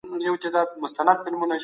مذهبي زغم د ټولني د ثبات لامل کیږي.